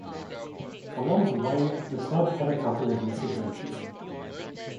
Along the way the club had a couple of misadventures.